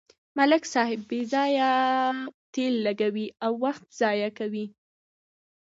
ملک صاحب بې ځایه تېل لګوي او وخت ضایع کوي.